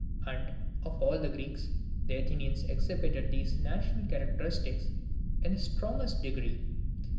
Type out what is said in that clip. And, of all the Greeks, the Athenians exhibited these national characteristics in the strongest degree.